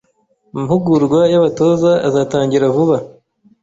Amahugurwa y’abatoza azatangira vuba